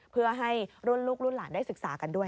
เพื่อให้รุ่นลูกรุ่นหลานได้ศึกษากันด้วย